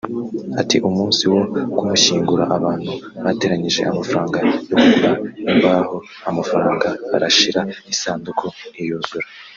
Ati “Umunsi wo kumushyingura abantu bateranyije amafaranga yo kugura imbaho amafaranga arashira isanduku ntiyuzura